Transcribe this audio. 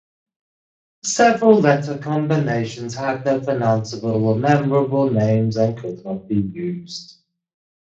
Several letter combinations had no pronounceable or memorable names and could not be used.